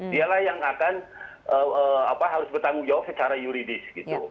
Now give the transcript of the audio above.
dialah yang akan harus bertanggung jawab secara yuridis gitu